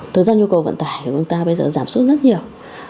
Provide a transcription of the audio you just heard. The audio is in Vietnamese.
thực ra nhu cầu vận tải của chúng ta bây giờ giảm sút rất nhiều